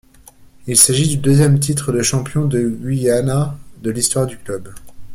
Il s’agit du deuxième titre de champion du Guyana de l'histoire du club.